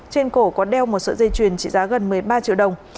trên cổ có đeo một sợi dây chuyền trị giá gần một mươi ba triệu đồng